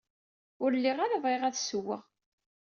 Ur lliɣ ara bɣiɣ ad d-ssewweɣ.